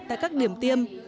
tại các điểm tiêm